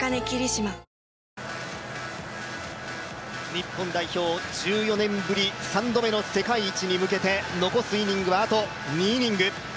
日本代表、１４年ぶり３度目の世界一に向けて残すイニングはあと２イニング。